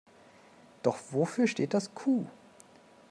Doch wofür steht das Q?